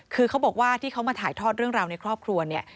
คือเขาบอกว่าที่เขามาถ่ายทอดเรื่องราวในครอบครัวเนี่ย